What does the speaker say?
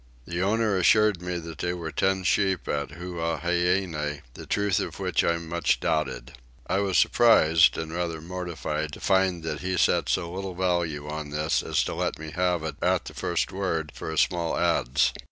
The owner assured me that there were ten sheep at Huaheine; the truth of which I much doubted. I was surprised and rather mortified to find that he set so little value on this as to let me have it, at the first word, for a small adze.